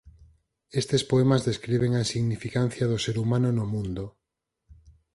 Estes poemas describen a insignificancia do ser humano no mundo.